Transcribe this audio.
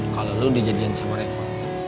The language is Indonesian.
kalau lo dijadikan sama revo